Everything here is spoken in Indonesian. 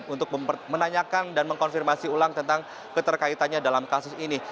untuk menanyakan dan mengkonfirmasi ulang tentang keterkaitannya dalam kasus ini